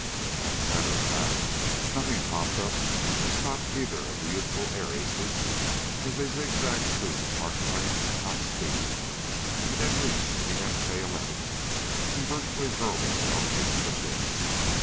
As a matter of fact nothing popped up to stop either of the youthful air aces as they zigzagged through the parked planes at top speed, and then reached the MK 11 and virtually hurled themselves into the pits.